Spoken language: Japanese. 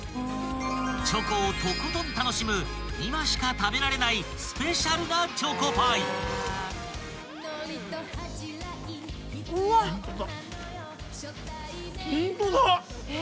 ［チョコをとことん楽しむ今しか食べられないスペシャルなチョコパイ］あっ！